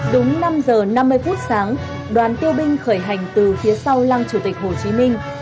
đúng năm giờ năm mươi phút sáng đoàn tiêu binh khởi hành từ phía sau lăng chủ tịch hồ chí minh